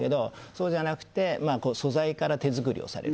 そうじゃなくて素材から手作りをされる方